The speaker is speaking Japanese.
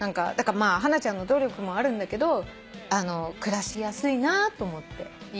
ハナちゃんの努力もあるんだけど暮らしやすいなと思って。